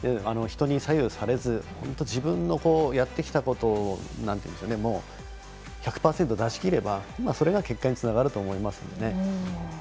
人に左右されず自分のやってきたことを１００％出しきればそれが結果につながると思います。